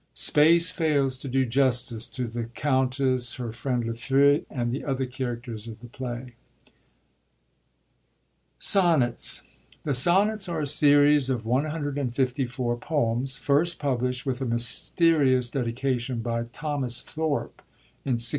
Space fails to do justice to the Countess, her friend, Lafeu, and the other characters of the play. ,. Sonnets.— The Sonnets are a series of 154 poems, first publisht, with a ^mysterious dedication, by Thomas Thorpe, in 1609.